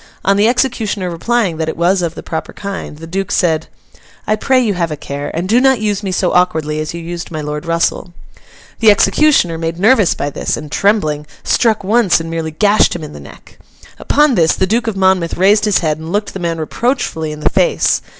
On the executioner replying that it was of the proper kind, the Duke said, 'I pray you have a care, and do not use me so awkwardly as you used my Lord Russell.' The executioner, made nervous by this, and trembling, struck once and merely gashed him in the neck. Upon this, the Duke of Monmouth raised his head and looked the man reproachfully in the face.